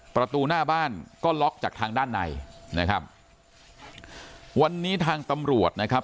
ประตูหน้าบ้านก็ล็อกจากทางด้านในนะครับวันนี้ทางตำรวจนะครับ